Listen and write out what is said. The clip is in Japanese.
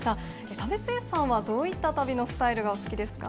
為末さんはどういった旅のスタイルがお好きですか？